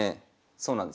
そうなんです。